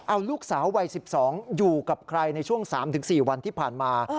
เอาลูกสาววัย๑๒อยู่กับใครในช่วง๓๔วันที่ผ่านมา